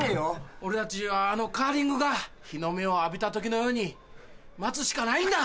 俺たちはあのカーリングが日の目を浴びた時のように待つしかないんだ！